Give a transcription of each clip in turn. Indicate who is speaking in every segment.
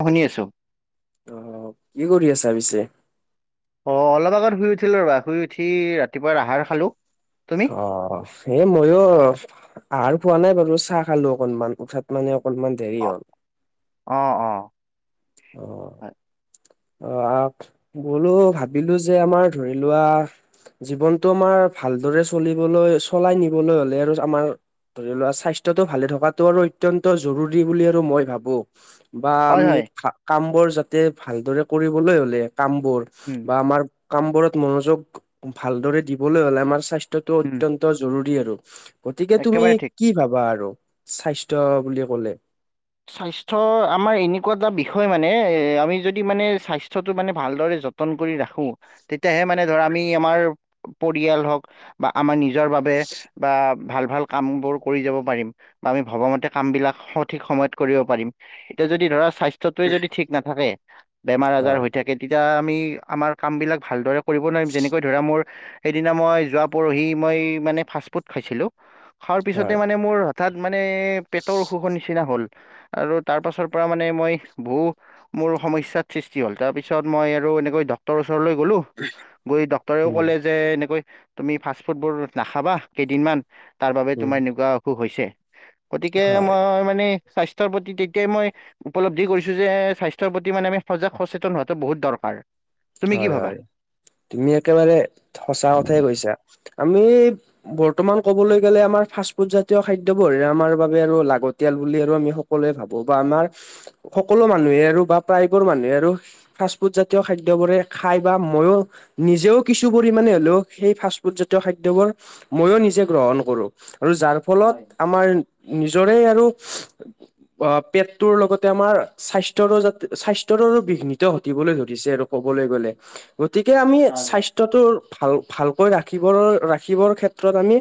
Speaker 1: শুনি আছোঁ।
Speaker 2: অ', কি কৰি আছা পিছে?
Speaker 1: অ', অলপ আগত শুই উঠিলো ৰবা শুই উঠি ৰাতিপুৱা আহাৰ খালো। তুমি
Speaker 2: অ', সেয়ে ময়ো আহাৰ পোৱা নাই বাৰু চাহ খালোঁ অকনমান উঠাত মানে অকনমান দেৰি
Speaker 1: অ
Speaker 2: হ'ল।
Speaker 1: অ', অ',
Speaker 2: অ',
Speaker 1: হয়
Speaker 2: অ', বোলো ভাবিলো যে আমাৰ ধৰি লোৱা জীৱনটো আমাৰ ভালদৰে চলিবলৈ চলাই নিবলৈ হলে আৰু আমাৰ ধৰি লোৱা স্বাস্থ্যটো ভালে থকাটো আৰু অত্যন্ত জৰুৰী বুলি আৰু মই ভাবোঁ। বা
Speaker 1: হয়
Speaker 2: আমি
Speaker 1: হয়।
Speaker 2: কাম বোৰ যাতে ভালদৰে কৰিবলৈ হ'লে কাম বোৰ
Speaker 1: উম
Speaker 2: বা আমাৰ কামবোৰত মনোযোগ ভালদৰে দিবলৈ হলে আমাৰ স্বাস্থ্যটো
Speaker 1: উম
Speaker 2: অত্যন্ত অতি জৰুৰী আৰু গতিকে তুমি
Speaker 1: একেবাৰে ঠিক
Speaker 2: কি ভাবা আৰু স্বাস্থ্য বুলি ক'লে?
Speaker 1: স্বাস্থ্য আমাৰ এনেকুৱা এটা বিষয় মানে এ আমি যদি মানে স্বাস্থ্যটো মানে ভালদৰে যত্ন যতন কৰি ৰাখো, তেতিয়াহে মানে ধৰ আমি আমাৰ পৰিয়াল হওক বা আমাৰ নিজ নিজৰ বাবে বা ভাল ভাল কাম বোৰ কৰি যাব পাৰিম, বা আমি ভবামতে কাম বিলাক সঠিক সময়ত কৰিব পাৰিম, এতিয়া যদি ধৰা স্বাস্থ্যটোয়ে যদি ঠিক নাথাকে বেমাৰ আজাৰ
Speaker 2: হয়
Speaker 1: হৈ থাকে তেতিয়া আমি আমাৰ কামবিলাক ভালদৰে কৰিব নোৱাৰিম, যেনেকৈ ধৰা মোৰ সেদিনা মই যোৱা পৰহি মই মানে ফাষ্ট ফুড খাইছিলোঁ, খোৱাৰ পিছতে
Speaker 2: হয়
Speaker 1: মানে মোৰ হঠাৎ মানে পেটৰ অসুখৰ নিচিনা হ'ল। আৰু তাৰ পাছৰ পৰা মানে মই বহু মোৰ সমস্যাৰ সৃষ্টি হ'ল, তাৰপিছত মই আৰু এনেকৈ ডক্তৰ ওচৰলৈ গ'লোঁ গৈ ডক্তৰেও
Speaker 2: উম
Speaker 1: ক'লে যে এনেকৈ তুমি ফাষ্ট ফুড বোৰ নাখাবা কেইদিনমান। তাৰ বাবে
Speaker 2: উম
Speaker 1: তোমাৰ এনেকুৱা অসুখ হৈছে, গতিকে
Speaker 2: হয়
Speaker 1: মই মানে স্বাস্থ্যৰ প্ৰতি তেতিয়াই মই উপলব্ধি কৰিছোঁ যে স্বাস্থ্যৰ প্ৰতি মানে আমি সজাগ সচেতন হোৱাটো বহুত দৰকাৰ। তুমি কি
Speaker 2: হয়,
Speaker 1: ভাবা
Speaker 2: হয় তুমি একেবাৰে সঁচা কথাই কৈছা আমি বৰ্তমান ক'বলৈ গ'লে আমাৰ ফাষ্ট ফুড জাতীয় খাদ্যবোৰ আমাৰ বাবে আৰু লাগতিয়াল বুলি আৰু আমি সকলোৱে ভাবো বা আমাৰ সকলো মানুহে আৰু বা প্ৰায়বোৰ মানুহে আৰু ফাষ্টফুড জাতীয় খাদ্য খাদ্যবোৰে খাই বা ময়ো, নিজেও কিছু পৰিমাণে হ'লেও সেই ফাষ্ট ফুডজাতীয় খাদ্যবোৰ ময়ো নিজে গ্ৰহণ কৰো আৰু যাৰ ফলত
Speaker 1: হয়
Speaker 2: আমাৰ নিজৰে আৰু অ', পেটটোৰ লগতে আমাৰ স্বাস্থ্যৰো স্বাস্থ্যৰো বিঘ্নিত ঘটিবলৈ ধৰিছে আৰু। ক'বলৈ গ'লে, গতিকে আমি
Speaker 1: হয় হয়
Speaker 2: স্বাস্থ্যটোৰ ভাল ভালকৈ ৰাখিবৰ ৰাখিবৰ ক্ষেত্ৰত আমি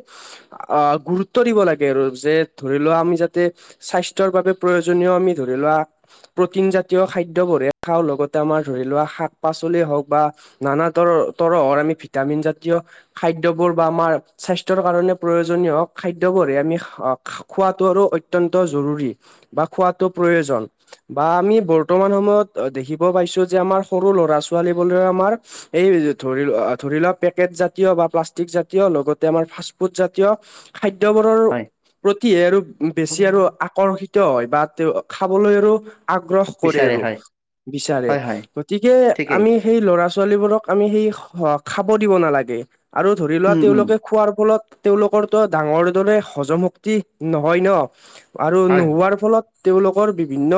Speaker 2: আ, গুৰুত্ব দিব লাগে আৰু যে ধৰি লোৱা আমি যাতে স্বাস্থ্যৰ বাবে প্ৰয়োজনীয় আমি ধৰি লোৱা প্ৰ'টিন জাতীয় খাদ্যবঢ়িয়া খাওঁ লগতে আমাৰ ধৰি লোৱা শাক পাচলি হওক বা নানা তৰ তৰহৰ আমি ভিটামিন জাতীয় খাদ্যবোৰ বা আমাৰ স্বাস্থ্যৰ কাৰণে প্ৰয়োজনীয় হওক খাদ্যবোৰ আমি খও খোৱাটো আৰু অত্যন্ত জৰুৰী বা খোৱাটো প্ৰয়োজন বা আমি বৰ্তমান সময়ত দেখিব পাইছো যে আমাৰ সৰু ল'ৰা ছোৱালী বোৰ আমাৰ এই ধৰি ধৰি লোৱাক পেকেট জাতীয় বা প্লাষ্টিক জাতীয় লগতে আমাৰ ফাষ্টফুড জাতীয় খাদ্যবোৰৰ
Speaker 1: হয়
Speaker 2: প্ৰতিহে আৰু বেছি আৰু আকৰ্ষিত হয় বা তেওঁ খাবলৈ আৰু আগ্ৰহ কৰে
Speaker 1: বিচাৰে
Speaker 2: আৰু
Speaker 1: হয়
Speaker 2: বিচাৰে
Speaker 1: হয় হয়
Speaker 2: গতিকে
Speaker 1: ঠিকেই
Speaker 2: আমি সেই ল'ৰা ছোৱালীবোৰক আমি সেই খাব দিব নালাগে। আৰু ধৰি লোৱা
Speaker 1: উম উম
Speaker 2: তেওঁলোকে খোৱাৰ ফলত তেওঁলোকৰটো ডাঙৰ দৰে হজম শক্তি নহয় ন' আৰু
Speaker 1: হয়
Speaker 2: নোহোৱাৰ ফলত তেওঁলোকৰ বিভিন্ন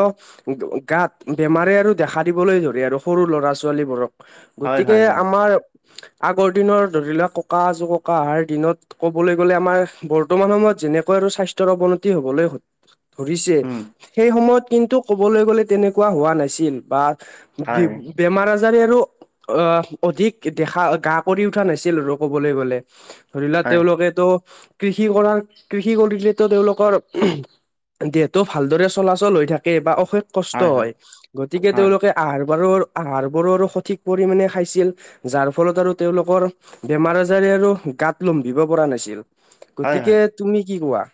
Speaker 2: গাত বেমাৰে আৰু দেখা দিবলৈ ধৰে আৰু সৰু ল'ৰা ছালী ছোৱালীবোৰক
Speaker 1: হয় হয়
Speaker 2: গতিকে
Speaker 1: হয় হয়
Speaker 2: আমাৰ আগৰ দিনৰ ধৰি লোৱা ককা, আজো ককা অহাৰ দিনত ক'বলৈ গ'লে আমাৰ বৰ্তমান সময়ত যেনেকুৱা আৰু স্বাস্থ্যৰ অৱনতি হবলৈ স ধৰিছে,
Speaker 1: উম
Speaker 2: সেই সময়ত কিন্তু কবলৈ গলে তেনেকুৱা হোৱা নাছিল বা
Speaker 1: হয়
Speaker 2: বেমাৰ আজাৰী আৰু অ', অধিক দেখা গা কৰি উঠা নাছিল আৰু কবলৈ গ'লে, ধৰি লোৱা
Speaker 1: হয়
Speaker 2: তেওঁলোকে ত', কৃষি কৰাৰ কৃষি কৰিলেতো তেওঁলোকৰ দেহটো ভালদৰে চলাচল হৈ থাকে, বা অশেষ কষ্ট হয়, গতিকে
Speaker 1: হয়
Speaker 2: তেওঁলোকে আহাৰ বাৰৰ আহাৰ বোৰো আৰু সঠিক পৰিমানে খাইছিল, যাৰ ফলত আৰু তেওঁলোকৰ বেমাৰ আজাৰ আৰু গাত লমভিব পৰা নাছিল,
Speaker 1: হয় হয়
Speaker 2: গতিকে তুমি কি কোৱা?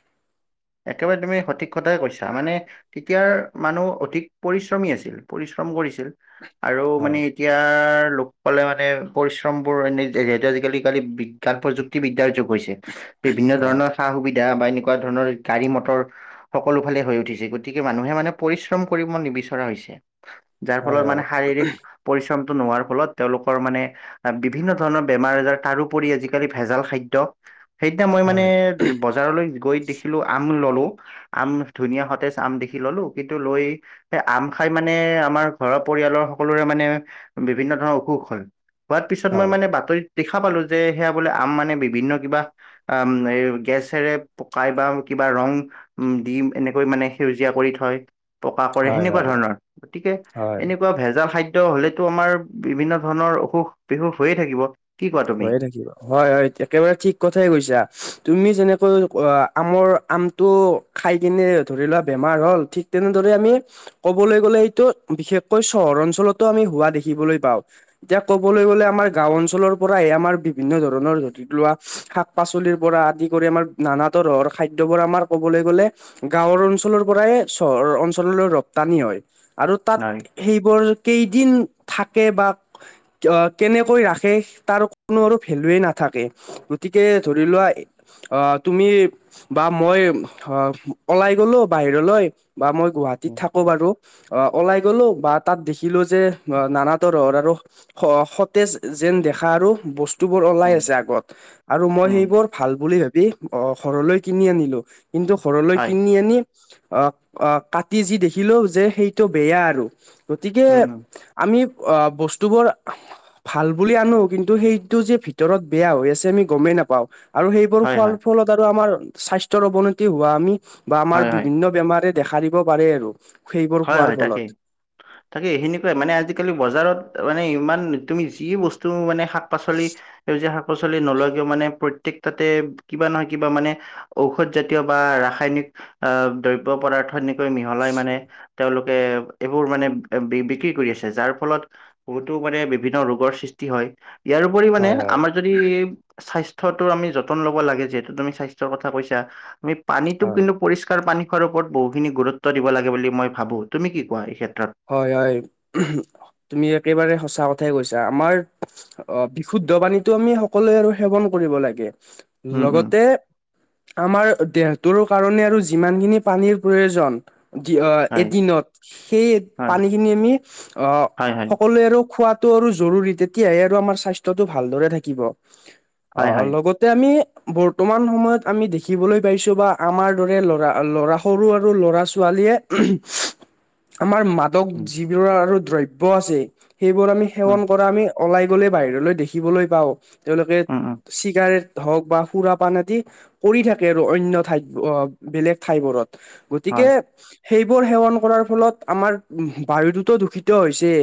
Speaker 1: একেবাৰে তুমি সঠিক কথাই কৈছা মানে তেতিয়াৰ মানুহ অধিক পৰিশ্ৰমী আছিল, পৰিশ্ৰম কৰিছিল আৰু মানে
Speaker 2: হয়
Speaker 1: এতিয়াৰ লোককলে মানে পৰিশ্ৰমবোৰ এনেই যিহেতু আজিকালি কালি বিখ্যাত প্ৰযুক্তিবিদ্যাৰ যুগ হৈছে। বিভিন্ন
Speaker 2: হয়
Speaker 1: ধৰণৰ সা সুবিধা বা এনেকুৱা ধৰণৰ গাড়ী মটৰ সকলো ফালে হৈ উঠিছে, গতিকে মানুহে মানে পৰিশ্ৰম কৰিব নিবিচৰা হৈছে। যাৰ
Speaker 2: হয়
Speaker 1: ফলত মানে
Speaker 2: হয়
Speaker 1: শাৰীৰিক পৰিশ্ৰমটো নোহোৱাৰ ফলত তেওঁলোকৰ মানে বিভিন্ন ধৰণৰ বেমাৰ আজাৰ তাৰউপৰি আজিকালি ভেজাল খাদ্য সেইদিনা মই মানে
Speaker 2: হয়
Speaker 1: বজাৰলৈ গৈ দেখিলো আম ললো আম ধুনীয়া সতেজ আম দেখি ললো কিন্তু লৈ সে আম খাই মানে আমাৰ ঘৰৰ পৰিয়ালৰ সকলোৰে মানে বিভিন্ন ধৰণৰ অসুখ হল। হোৱাৰ পিছত মই
Speaker 2: হয়
Speaker 1: মানে বাতৰিত দেখা পালো যে সেয়া বোলে আম মানে বিভিন্ন কিবা আ, এই গেছেৰে পকাই বা কিবা ৰং উম, দি এনেকৈ মানে সেউজীয়া কৰি থয় পকা কৰে
Speaker 2: হয়
Speaker 1: সেনেকুৱা
Speaker 2: হয়
Speaker 1: ধৰণৰ, গতিকে
Speaker 2: হয়
Speaker 1: এনেকুৱা ভেজাল খাদ্য খাদ্য হলেতো আমাৰ বিভিন্ন ধৰণৰ অসুখ বিসুখ হৈয়ে থাকিব। কি কোৱা তুমি
Speaker 2: হৈয়ে থাকিব। হয়, হয়, একেবাৰে ঠিক কথাই কৈছা তুমি যেনেকৈ আমৰ আমটো খাই কিনে ধৰি লোৱা বেমাৰ হ'ল ঠিক তেনেদৰে আমি কবলৈ গ'লে এইটো বিশেষকৈ চহৰ অঞ্চলতো আমি হোৱা দেখিবলৈ পাওঁ। এতিয়া ক'বলৈ গ'লে আমাৰ গাঁও অঞ্চলৰ পৰাহে আমাৰ বিভিন্ন ধৰণৰ ধতি লোৱা শাক পাচলিৰ পৰা আদি কৰি আমাৰ নানা তৰহৰ খাদ্যবোৰ আমাৰ ক'বলৈ গ'লে গাঁওৰ অঞ্চলৰ পৰাই চহৰৰ অঞ্চললৈ ৰপ্তানি হয়। আৰু তাত
Speaker 1: হয়
Speaker 2: সেইবোৰ কেইদিন থাকে বা কেনেকৈ ৰাখে তাৰ কোনো আৰু ভেলুৱে নাথাকে গতিকে ধৰি লোৱা অ', তুমি বা মই অ, ওলাই গলো বাহিৰলৈ বা মই গুৱাহাটীত
Speaker 1: উম
Speaker 2: থাকো বাৰু অ', ওলাই গলো বা তাত দেখিলো যে নানা তৰহৰ আৰু সতেজ যেন দেখা আৰু বস্তুবোৰ ওলাই
Speaker 1: উম
Speaker 2: আছে আগত। আৰু মই
Speaker 1: উম
Speaker 2: সেইবোৰ ভাল বুলি ভাবি ঘৰলৈ কিনি আনিলো কিন্তু ঘৰলৈ
Speaker 1: হয়
Speaker 2: কিনি আনি আ, আ, কাটি যি দেখিলো যে সেইটো বেয়া আৰু গতিকে
Speaker 1: উম উম
Speaker 2: আমি বস্তুবোৰ ভাল বুলি আনো কিন্তু সেইটো যে ভিতৰত বেয়া হৈ আছে আমি গমেই নাপাও আৰু সেইবোৰ
Speaker 1: হয়
Speaker 2: খোৱাৰ
Speaker 1: হয়
Speaker 2: ফলত আৰু আমাৰ স্বাস্থ্যৰ অৱনতি হোৱা আমি বা আমাৰ
Speaker 1: হয় হয়
Speaker 2: বিভিন্ন বেমাৰে দেখা দিব পাৰে আৰু সেইবোৰ
Speaker 1: হয়,
Speaker 2: খোৱাৰ
Speaker 1: হয়, তাকেই
Speaker 2: [inaudible]
Speaker 1: তাকে সেনেকুৱাই মানে আজিকালি বজাৰত মানে ইমান তুমি যি বস্তু মানে শাক পাচলি সেউজীয়া শাক পাচলি নলয় কিয় মানে প্ৰত্যেক তাতে কিবা নহয় কিবা মানে ঔষধ জাতীয় বা ৰাসায়নিক আ, দ্ৰব্য পদাৰ্থ এনেকৈ মিহলাই মানে তেওঁলোকে এইবোৰ মানে বি বিক্ৰী কৰি আছে যাৰ ফলত বহুতো মানে বিভিন্ন ৰোগৰ সৃষ্টি হয় ইয়াৰ উপৰি মানে
Speaker 2: হয় হয়
Speaker 1: আমাৰ যদি স্বাস্থ্যটোৰ আমি যতন ল'ব লাগে যিহেতু তুমি স্বাস্থ্যৰ কথা কৈছা পানীটোক
Speaker 2: হয়।
Speaker 1: কিন্তু পৰিষ্কাৰ পানী খোৱাৰ ওপৰত বহুখিনি গুৰুত্ব দিব লাগে বুলি মই ভাবো, তুমি কি কোৱা এই ক্ষেত্ৰত?
Speaker 2: হয়, হয়, তুমি একেবাৰে সঁচা কথাই কৈছা আমাৰ অ', বিশুদ্ধ পানীটো আমি সকলোৱে আৰু সেৱন কৰিব লাগে লগতে আমাৰ দেহটোৰ কাৰণে আৰু যিমানখিনি পানীৰ প্ৰয়োজন এদিনত সেই পানীখিনি আমি সকলোৱে আৰু খোৱাত টো আৰু জৰুৰী তেতিয়াহে আৰু আমাৰ স্বাস্থ্যটো ভালদৰে থাকিব অ, লগত তে আমি বৰ্তমান সময়ত আমি দেখিবলৈ পাইছো বা আমাৰ দৰে ল'ৰা ল'ৰা সৰু আৰু ল'ৰা ছোৱালীয়ে [unintelligible] যিবোৰ আৰু দ্ৰব্য আছে সেইবোৰ আমি সেৱন কৰা আমি ওলাই গ'লে বাহিৰলৈ দেখিবলৈ পাওঁ তেওঁলোকে চিগাৰেট হওক বা সুৰা পান আদি কৰি থাকে আৰু অন্য ঠাইত অ', বেলেগ ঠাইবোৰত। গতিকে সেইবোৰ সেৱন কৰাৰ ফলত আমাৰ বায়ুটোতো দূষিত হৈছে।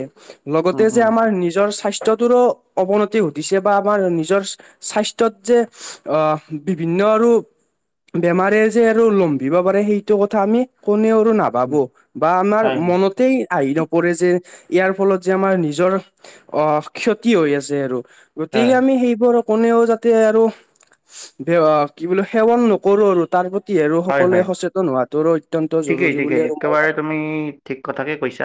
Speaker 2: লগতে যে আমাৰ নিজৰ স্বাস্থ্যটোৰো অৱনতি ঘটিছে বা আমাৰ নিজৰ স্বাস্থ্যত যে আ, বিভিন্ন আৰু বেমাৰে যে আৰু লম্ভিব পাৰে সেইটো কথা আমি কোনেও আৰু না ভাবো বা আমাৰ মনতেই আহি নপৰে যে ইয়াৰ ফলত যে আমাৰ নিজৰ অ', ক্ষতি হৈ আছে আৰু গতিকে আমি সেইবোৰ কোনেও যাতে আৰু কি বুলো সেৱন নকৰো আৰু তাৰ কি আৰু সকলোৱে সচেতন হোৱাতোৰ অত্যন্ত
Speaker 1: ঠিকেই
Speaker 2: জৰুৰী বুলি
Speaker 1: ঠিকেই
Speaker 2: আৰু মই ভা
Speaker 1: একেবাৰে তুমি ঠিক কথাকে কৈছা,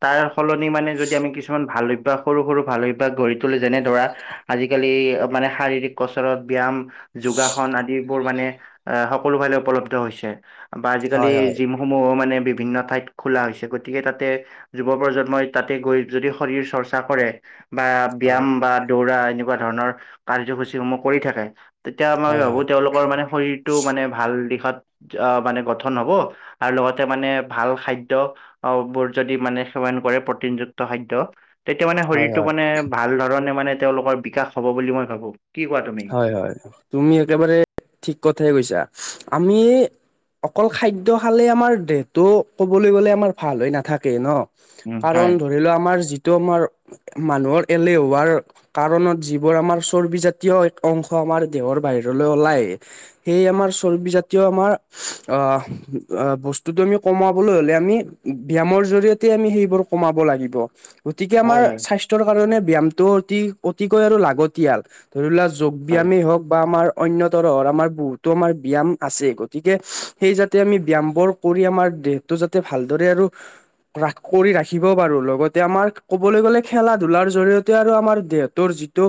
Speaker 1: তাৰ সলনি মানে যদি আমি কিছুমান ভাল অভ বা সৰু, সৰু ভাল অভ্যাস গঢ়ি তোলো যেনে ধৰা আজিকালি মানে শাৰীৰিক কচৰৎ, ব্যায়াম যোগাসন আদিবোৰ মানে সকলো ফালে উপলব্ধ হৈছে, বা আজিকালি যি সমূহো মানে বিভিন্ন ঠাইত খোলা হৈছে গতিকে তাতে যুৱ প্ৰজন্মই তাতে গৈ যদি শৰীৰ চৰ্চা কৰে বা ব্যায়াম
Speaker 2: হয়
Speaker 1: বা দৌৰা এনেকুৱা ধৰণৰ কাৰ্যসূচী সমূহ কৰি থাকে তেতিয়া মই
Speaker 2: হয় হয়
Speaker 1: ভাবো তেওঁলোকৰ মানে শৰীৰটো মানে ভাল দি মানে গঠন হব আৰু লগতে মানে ভাল খাদ্য অ, বোৰ যদি মানে সেৱন কৰে প্ৰটিনযুক্ত খাদ্য তেতিয়া মানে
Speaker 2: হয় হয়
Speaker 1: শৰীৰটো মানে ভাল ধৰণে মানে তেওঁলোকৰ বিকাশ হব বুলি মই ভাবো, কি কোৱা তুমি?
Speaker 2: হয়, হয় তুমি একেবাৰে ঠিক কথাই কৈছা আমি অকল খাদ্য খালে আমাৰ দেহটো ক'বলৈ গ'লে আমাৰ ভাল হৈ নাথাকে ন'।
Speaker 1: উম
Speaker 2: কাৰণ
Speaker 1: হয়
Speaker 2: ধ ধৰিলোৱা আমাৰ যিটো আমাৰ মানুহৰ এলেহুৱাৰ কাৰণত যিবোৰ আমাৰ চৰ্বিজাত জাতীয় এক অংশ আমাৰ দেহৰ বাহিৰলৈ ওলায়, সেই আমাৰ চৰ্বিজাতীয় আমাৰ অ', অ', বস্তুটো আমি কমাবলৈ হ'লে আমি ব্যায়ামৰ জৰিয়তে আমি সেইবোৰ কমাব লাগিব। গতিকে আমাৰ
Speaker 1: হয় হয়
Speaker 2: স্বাস্থ্যৰ কাৰণে ব্যায়ামটো অতি অতিকৈ আৰু লাগতিয়াল ধৰি লোৱা যোগ
Speaker 1: হয়
Speaker 2: ব্যায়ামেই হওক বা আমাৰ অন্যতৰৰ, আমাৰ বহুতো আমাৰ ব্যয়াম আছে গতিকে সেই যাতে আমি ব্যয়ামবোৰ কৰি আমাৰ দেহটো যাতে ভালদৰে আৰু ৰা, কৰি ৰাখিব পাৰো লগতে আমাৰ ক'বলৈ গ'লে খেলা ধূলাৰ জৰিয়তে আৰু আমাৰ দেহ তোৰ যিটো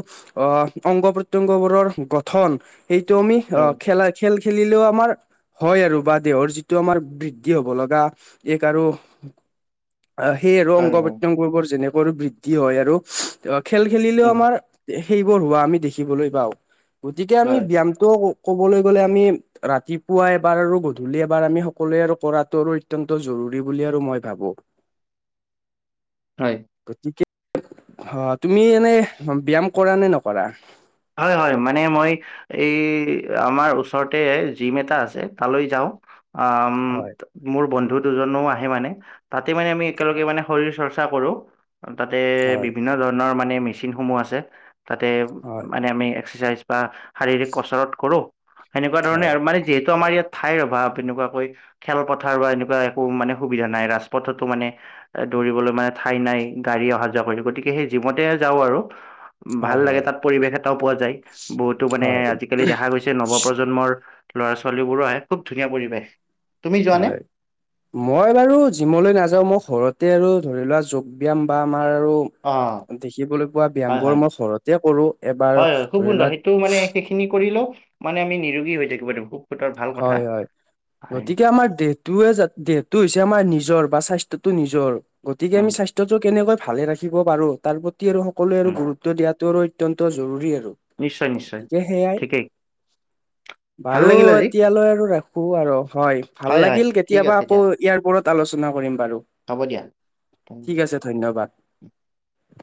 Speaker 2: অ, অংগ প্ৰত্যংগবোৰৰ গঠন সেইটো আমি অ,
Speaker 1: হয়
Speaker 2: খেলা খেল খেলিলেও আমাৰ হয় আৰু বা দেহৰ যিটো আমাৰ বৃদ্ধি হব লগা এক আৰু আ, সেই আৰু অং
Speaker 1: হয় হয়
Speaker 2: প্ৰত্যংগবোৰ যেনেকৈ বৃদ্ধি হয় আৰু খেল খেলিলেও
Speaker 1: উম,
Speaker 2: আমাৰ সেইবোৰ হোৱা আমি দেখিবলৈ পাওঁ গতিকে আমি
Speaker 1: হয়
Speaker 2: ব্যয়ামটোও কবলৈ গলে আমি ৰাতিপুৱা এবাৰ আৰু গধূলি এবাৰ আমি সকলোৱে আৰু কৰাটো আৰু অত্যন্ত জৰুৰী বুলি আৰু মই ভাবো। [inaudible]
Speaker 1: হয়,
Speaker 2: গতিকে অ', তুমি এনে ব্যয়ায়াম কৰা নে নকৰা?
Speaker 1: হয়, হয়, মানে মই এই আমাৰ ওচৰতে জিম এটা আছে তালৈ যাওঁ আ
Speaker 2: হয়
Speaker 1: মোৰ বন্ধু দুজনো আহে মানে তাতে মানে আমি একেলগে মানে শৰীৰ চৰ্চা কৰো তাতে
Speaker 2: হয়
Speaker 1: বিভিন্ন ধৰণৰ মানে মেচিন সমূহ আছে তাতে
Speaker 2: হয়
Speaker 1: মানে আমি এক্সাৰচাইজ বা শাৰীৰিক কচৰত কৰো সেনেকুৱা ধৰণে
Speaker 2: হয়
Speaker 1: আৰু মানে যিহেতু আমাৰ ইয়াত ঠাইৰ অভাৱ এনেকুৱাকৈ খেলপথাৰ বা এনেকুৱা একো মানে সুবিধা নাই ৰাজপথতো মানে এ দৌৰিবলৈ মানে ঠাই নাই গাড়ী অহা যোৱা কৰি থাকিব, গতিকে সেই জিমতে যাওঁ আৰু। ভাল
Speaker 2: হয়
Speaker 1: লাগে
Speaker 2: হয়
Speaker 1: তাত পৰিবেশ এটাও পোৱা যায়, বহুতো মানে
Speaker 2: হয়
Speaker 1: আজিকালি দেখা গৈছে নৱপ্ৰজন্ম প্ৰজন্মৰ ল'ৰা ছোৱালীবোৰো আহে খুব ধুনীয়া পৰিৱেশ। তুমি যোৱা নে
Speaker 2: হয়, মই বাৰু যিমলৈ নাযাওঁ, মই ঘৰতে আৰু ধৰি লোৱা যোগ ব্যায়াম বা আমাৰ আৰু
Speaker 1: অ
Speaker 2: দেখিবলৈ পোৱা ব্যায়াম
Speaker 1: হয়
Speaker 2: বোৰ
Speaker 1: হয়
Speaker 2: মই ঘৰতে কৰো এবাৰ
Speaker 1: হয় হয় খুব
Speaker 2: ধৰি
Speaker 1: সুন্দৰ
Speaker 2: লোৱা
Speaker 1: সেইটো মানে সেইখিনি কৰিলেও মানে আমি নিৰোগী হৈ থাকিব। সুতৰ ভাল কথা
Speaker 2: হয়, হয়,
Speaker 1: হয়
Speaker 2: গতিকে আমাৰ দে তয়ে দেহটো হৈছে আমাৰ নিজৰ বা স্বাস্থ্্যটো নিজৰ [inaudible] [inaudible] গতিকে
Speaker 1: উম
Speaker 2: আমি স্বাস্থ্যটো কেনেকৈ ভালে ৰাখিব পাৰো তাৰ প্ৰতি আৰু সকলোৱে আৰু
Speaker 1: উম
Speaker 2: গুৰুত্ব দিয়াাতটো আৰু অতি জৰুৰী আৰু।
Speaker 1: নিশ্চয় নিশ্চয়,
Speaker 2: গতিকে সেয়াই
Speaker 1: ঠিকেই। ভাল
Speaker 2: বাৰু
Speaker 1: লাগিল আজি
Speaker 2: এতিয়ালৈ আৰু ৰাখো আৰু হয় ভাল
Speaker 1: হয়
Speaker 2: লাগিল
Speaker 1: ঠিক
Speaker 2: কেতিয়াবা
Speaker 1: আছে
Speaker 2: আকৌ
Speaker 1: দিয়া
Speaker 2: ইয়াৰ ওৰত আলোচনা কৰিম বাৰু।
Speaker 1: হ'ব দিয়া।
Speaker 2: ঠিক আছে ধন্যবাদ।